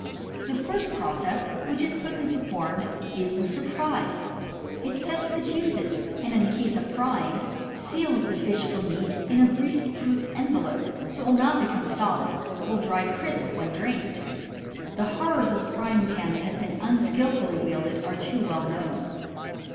The first process, which is quickly performed, is "the surprise." It sets the juices, and, in the case of frying, seals the fish or meat in a grease proof en velope so that it will not become sodden but will dry crisp when drained. The horrors of the frying pan that has been unskillfully wielded are too well known.